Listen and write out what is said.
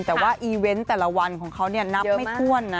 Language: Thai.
แต่ว่าอีเวนต์แต่ละวันของเขานับไม่ถ้วนนะ